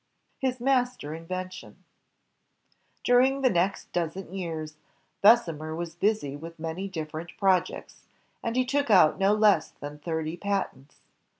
His Master Invention , During the next dozen years, Bessemer was busy with many different projects, and he took out no less than thirty patents.